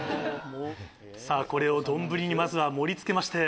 さぁこれを丼にまずは盛り付けまして。